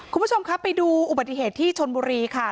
คุณผู้ชมครับประดูกบัติเหตุที่ชลบวูรีค่ะ